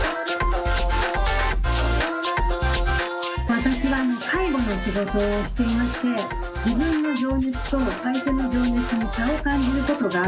私は介護の仕事をしていまして自分の情熱と相手の情熱に差を感じることがあるんです。